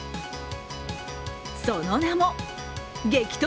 その名も、激突！